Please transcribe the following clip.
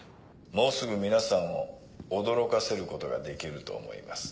もうすぐ皆さんを驚かせることができると思います。